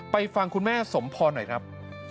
ฟังคุณแม่สมพรหน่อยครับ